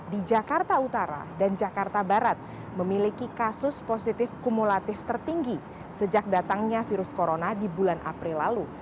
di jakarta utara dan jakarta barat memiliki kasus positif kumulatif tertinggi sejak datangnya virus corona di bulan april lalu